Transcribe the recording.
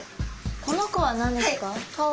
この子は何ですか？